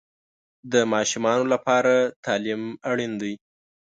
د ماشومانو لپاره تعلیم اړین دی.